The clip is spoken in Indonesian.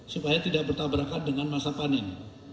supaya tidak bertabrakan dengan masa panen